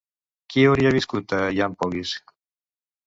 Qui hauria viscut a Hiàmpolis?